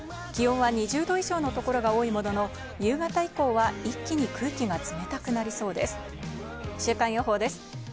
気温は２０度以上のところが多いものの、夕方以降は一気に空気が